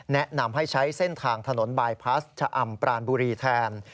แนะนำให้ใช้เส้นทางถนนบายพลาสชะอำปรานบุรีแทน